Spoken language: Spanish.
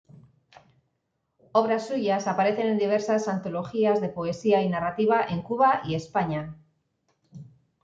Obras suyas aparecen en diversas antologías de poesía y narrativa en Cuba y España.